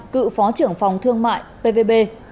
cựu phó trưởng phòng thương mại pvb